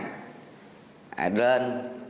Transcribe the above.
giới pháp pháp pháp của gia đình